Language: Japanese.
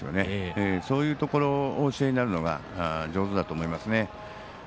そういうところをお教えになるのが上手だと思いますね。